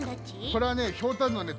これはねひょうたんのね